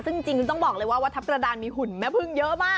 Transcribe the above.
ซึ่งจริงต้องบอกเลยว่าวัดทัพกระดานมีหุ่นแม่พึ่งเยอะมาก